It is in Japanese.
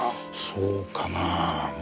そうかな？